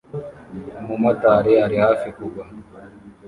Umumotari ari hafi kugwa